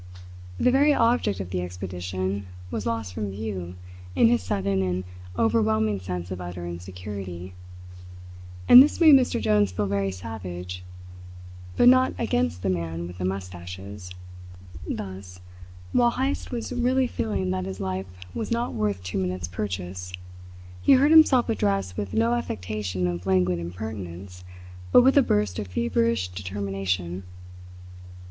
The very object of the expedition was lost from view in his sudden and overwhelming sense of utter insecurity. And this made Mr. Jones feel very savage; but not against the man with the moustaches. Thus, while Heyst was really feeling that his life was not worth two minutes, purchase, he heard himself addressed with no affectation of languid impertinence but with a burst of feverish determination.